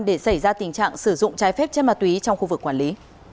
để xảy ra tình trạng sử dụng trái phép chất ma túy trong khu vực quản lý